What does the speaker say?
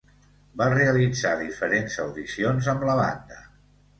Va realitzar diferents audicions amb la banda.